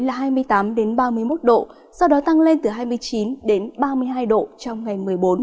là hai mươi tám ba mươi một độ sau đó tăng lên từ hai mươi chín đến ba mươi hai độ trong ngày một mươi bốn